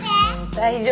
大丈夫！